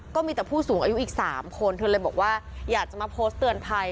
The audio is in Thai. ก็มีแต่ผู้สูงอายุอีก๓คนเธอเลยบอกว่าอยากจะมาโพสต์เตือนภัย